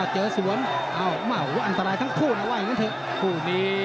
เจอสิวนอันตรายทั้งคู่นะว่าอย่างนี้